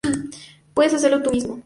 puedes hacerlo tú mismo